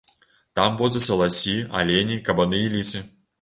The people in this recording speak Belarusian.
Там водзяцца ласі, алені, кабаны і лісы.